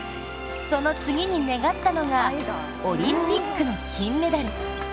その次に願ったのが、オリンピックの金メダル。